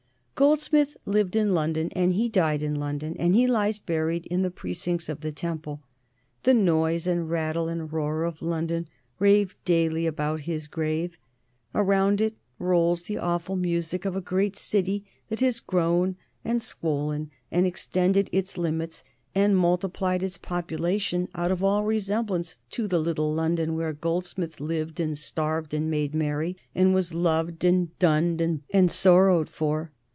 Goldsmith lived in London and he died in London, and he lies buried in the precincts of the Temple. The noise, and rattle, and roar of London rave daily about his grave. Around it rolls the awful music of a great city that has grown and swollen and extended its limits and multiplied its population out of all resemblance to that little London where Goldsmith lived and starved and made merry, and was loved, and dunned, and sorrowed for.